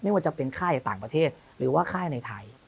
ว่าจะเป็นค่ายต่างประเทศหรือว่าค่ายในไทย